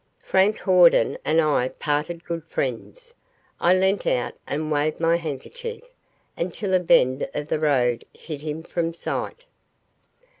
Frank Hawden and I parted good friends. I leant out and waved my handkerchief, until a bend of the road hid him from sight.